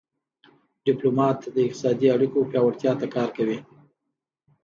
ډيپلومات د اقتصادي اړیکو پیاوړتیا ته کار کوي.